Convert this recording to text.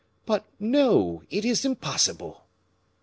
but no, it is impossible!"